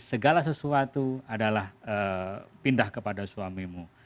segala sesuatu adalah pindah kepada suamimu